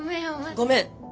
ごめん！